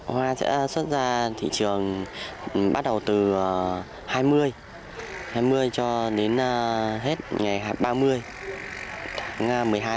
hoa sẽ xuất ra thị trường bắt đầu từ hai mươi cho đến hết ngày ba mươi tháng một mươi hai